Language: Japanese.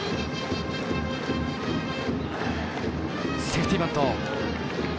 セーフティーバント。